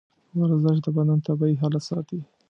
ورزش د بدن طبیعي حالت ساتي.